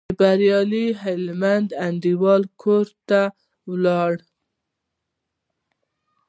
د بریالي هلمند انډیوال کور ته ولاړو.